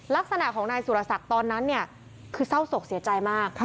ลักษณะของนายสุรสักตอนนั้นคือเศร้าสกเสียใจมาก